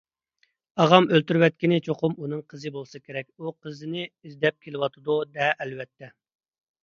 ئاغام ئۆلتۈرۈۋەتكىنى چوقۇم ئۇنىڭ قىزى بولسا كېرەك. ئۇ قىزىنى ئىزدەپ كېلىۋاتىدۇ - دە، ئەلۋەتتە!